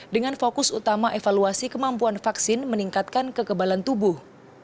dengan fokus utama evaluasi kemampuan vaksin meningkatkan kekebalan tubuh